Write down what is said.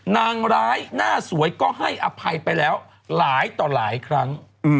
นางร้ายหน้าสวยก็ให้อภัยไปแล้วหลายต่อหลายครั้ง